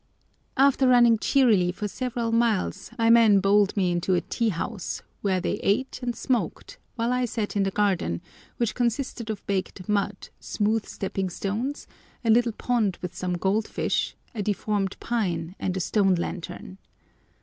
After running cheerily for several miles my men bowled me into a tea house, where they ate and smoked while I sat in the garden, which consisted of baked mud, smooth stepping stones, a little pond with some goldfish, a deformed pine, and a stone lantern.